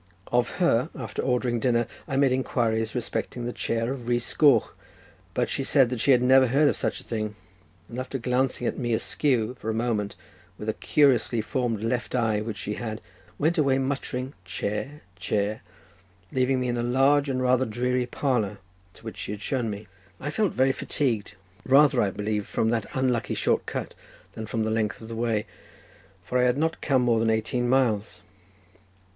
Of her, after ordering dinner, I made inquiries respecting the chair of Rhys Goch, but she said that she had never heard of such a thing; and after glancing at me askew for a moment, with a curiously formed left eye which she had, went away muttering chair, chair, leaving me in a large and rather dreary parlour, to which she had shown me. I felt very fatigued, rather I believe from that unlucky short cut than from the length of the way, for I had not come more than eighteen miles.